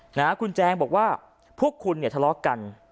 ของคุณแจงบอกว่าพวกคุณในทะเลาะกัน